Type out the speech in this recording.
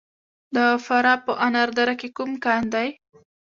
د فراه په انار دره کې کوم کان دی؟